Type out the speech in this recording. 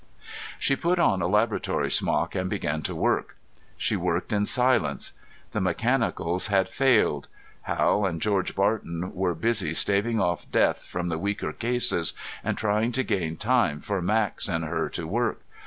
She put on a laboratory smock and began to work. She worked in silence. The mechanicals had failed. Hal and George Barton were busy staving off death from the weaker cases and trying to gain time for Max and her to work.